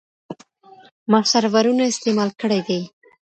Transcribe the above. ما سرورونه استعمال کړي دي.